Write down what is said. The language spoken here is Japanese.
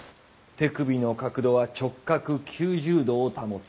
手首の角度は直角９０°を保つ。